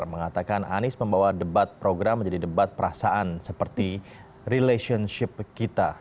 mengatakan anies membawa debat program menjadi debat perasaan seperti relationship kita